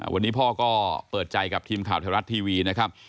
วันนี้พ่อก็เปิดใจกับทีมข่าวไทยรัฐทีวีนะครับ